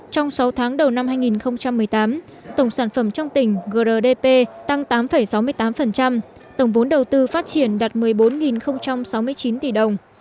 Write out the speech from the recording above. trong sáu tháng đầu năm hai nghìn một mươi tám tổng sản phẩm trong tỉnh grdp tăng tám sáu mươi tám tổng vốn đầu tư phát triển đạt một mươi bốn sáu mươi chín tỷ đồng